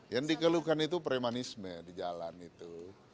yang dikeluhkan itu premanisme di jalan itu